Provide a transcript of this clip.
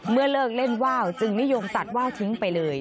เลิกเล่นว่าวจึงนิยมตัดว่าวทิ้งไปเลย